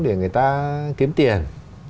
để người ta kiếm tiền